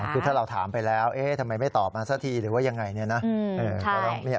คือถ้าเราถามไปแล้วทำไมไม่ตอบมาสักทีหรือว่ายังไงเนี่ยนะ